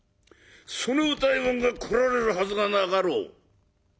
その歌右衛門が来られるはずがなかろう。